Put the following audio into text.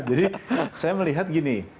jadi saya melihat gini